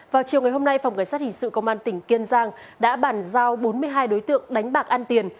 vào chiều ngày hôm nay phòng cảnh sát hình sự công an tỉnh kiên giang đã bàn giao bốn mươi hai đối tượng đánh bạc ăn tiền